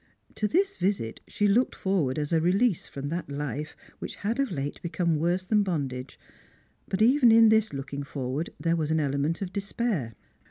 To this visit she looked forward as a release from that life which had of late become worse than bondage ; but even in this looking forward there was an element of despair.